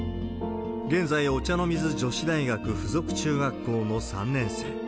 現在、お茶の水女子大学附属中学校の３年生。